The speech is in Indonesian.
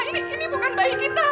ini bukan bayi kita